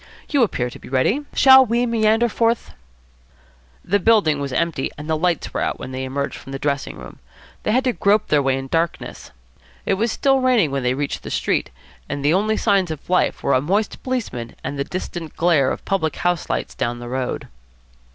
You appear to be ready. Shall we meander forth?" The building was empty and the lights were out when they emerged from the dressing room. They had to grope their way in darkness. It was still raining when they reached the street, and the only signs of life were a moist policeman and the distant glare of public house lights down the road.